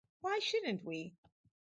Why shouldn't we?